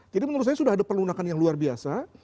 jadi menurut saya sudah ada perlunakan yang luar biasa